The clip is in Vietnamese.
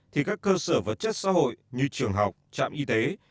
thì các cơ sở vật chất xã hội như trường học trạm y tế